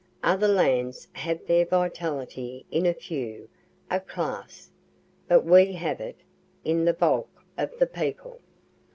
Other lands have their vitality in a few, a class, but we have it in the bulk of the people.